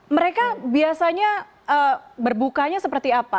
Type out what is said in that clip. mereka biasanya berbukanya seperti apa